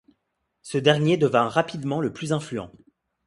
Ce dernier devint rapidement le plus influent.